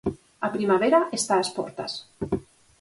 A primavera está ás portas.